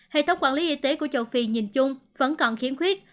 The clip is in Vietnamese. hệ thống quản lý y tế của châu phi nhìn chung vẫn còn khiếm khuyết